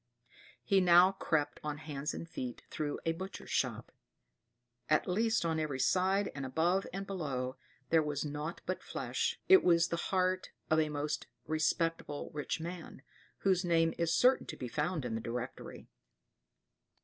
* temple He now crept on hands and feet through a butcher's shop; at least on every side, and above and below, there was nought but flesh. It was the heart of a most respectable rich man, whose name is certain to be found in the Directory.